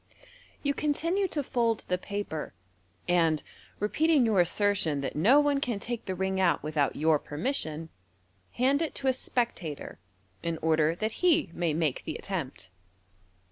You continue to fold the paper, and repeating your assertion that no poe can take the ring out without your permission, hand it to a spec tator, in order that he may make the attempt.